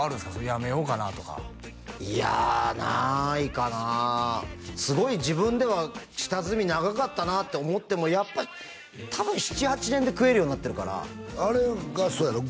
やめようかなとかいやないかなすごい自分では下積み長かったなって思ってもやっぱ多分７８年で食えるようになってるからあれがそうやろ？